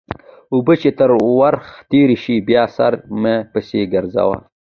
اوبه چې تر ورخ تېرې شي؛ بیا سر مه پسې ګرځوه.